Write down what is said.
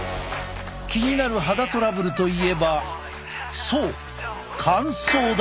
気になる肌トラブルといえばそう乾燥だ！